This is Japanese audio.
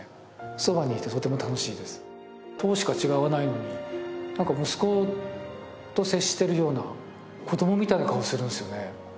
そばにいてとても楽しいです１０しか違わないのに何か息子と接してるような子供みたいな顔するんですよね